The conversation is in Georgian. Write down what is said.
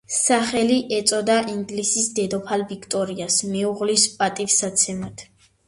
სახელი ეწოდა ინგლისის დედოფალ ვიქტორიას მეუღლის პატივსაცემად.